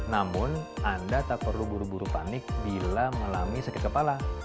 namun anda tak perlu buru buru panik bila mengalami sakit kepala